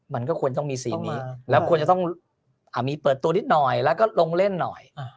มันก็ควรต้องมีสีนี้แล้วควรจะต้องมีเปิดตัวนิดหน่อยแล้วก็ลงเล่นหน่อย